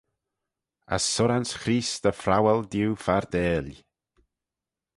As surranse Chreest dy phrowal diu fardail.